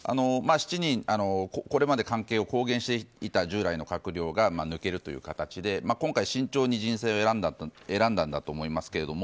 ７人、これまで関係を公言していた従来の閣僚が抜けるという形で今回、慎重に人選を選んだんだと思いますけど。